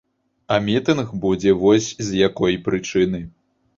А мітынг будзе вось з якой прычыны.